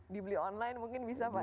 dibeli online mungkin bisa pak